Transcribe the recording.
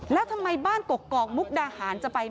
แล้วทำไมบ้านกกอกมุกดาหารจะไป